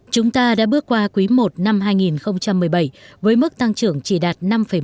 chúng ta đã bước qua quý i năm hai nghìn một mươi bảy với mức tăng trưởng chỉ đạt năm một